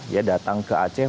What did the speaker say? ya datang ke aceh